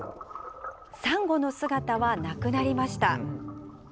サンゴの姿はなくなりました。